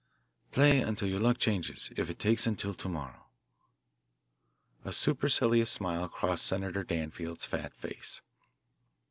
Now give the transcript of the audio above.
"Play until your luck changes if it takes until to morrow." A supercilious smile crossed Senator Danfield's fat face.